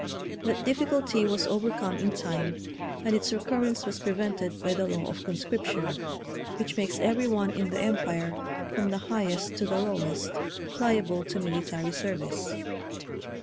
That difficulty was overcome in time, and its recurrence was prevented by the law of conscription, which makes every one in the Empire, from the highest to the low est, liable to military service.